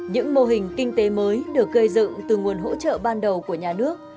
những mô hình kinh tế mới được gây dựng từ nguồn hỗ trợ ban đầu của nhà nước